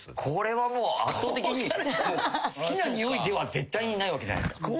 これは圧倒的に好きなにおいでは絶対にないわけじゃないですか。